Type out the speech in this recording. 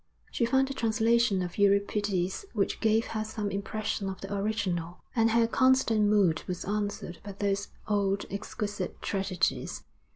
She found a translation of Euripides which gave her some impression of the original, and her constant mood was answered by those old, exquisite tragedies.